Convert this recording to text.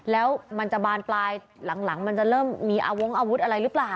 แล้วมันจะบานปลายหลังมันจะเริ่มมีอาวงอาวุธอะไรหรือเปล่า